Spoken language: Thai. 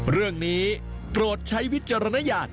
ตอนนี้โปรดใช้วิจารณญาณ